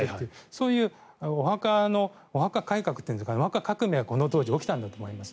そういうお墓改革というかお墓革命がこの時起きたんだと思います。